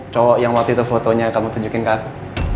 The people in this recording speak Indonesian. cowok yang waktu itu fotonya kamu tunjukin ke aku